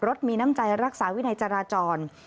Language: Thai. รถมีน้ำใจรักษาวินัยจราจร